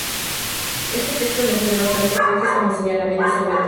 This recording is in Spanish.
Este texto le generó tanto aplausos como señalamientos severos.